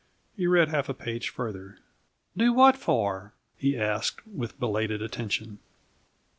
He read half a page farther. "Do what for?" he asked, with belated attention.